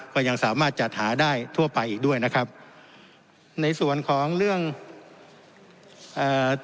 ก็ยังสามารถจัดหาได้ทั่วไปอีกด้วยนะครับในส่วนของเรื่องเอ่อ